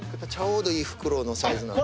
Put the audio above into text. ちょうどいい袋のサイズ。